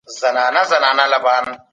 هر شی يو پټ روح درلود.